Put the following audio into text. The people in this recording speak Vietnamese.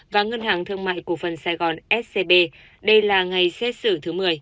và ngân hàng thương mại cổ phần sài gòn scb đây là ngày xét xử thứ một mươi